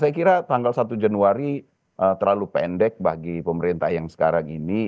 saya kira tanggal satu januari terlalu pendek bagi pemerintah yang sekarang ini